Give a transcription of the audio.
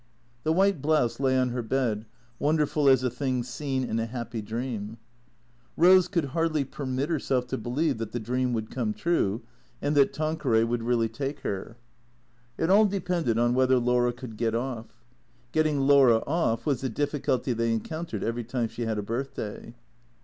The white blouse lay on her bed, wonderful as a thing seen in a happy dream. Eose could hardly permit herself to believe that the dream would come true, and that Tanqueray would really take her. It all depended on whether Laura could get off. Getting Laura off was the difficulty they encountered every time she had a birthday.